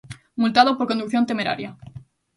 Multado por condución temeraria.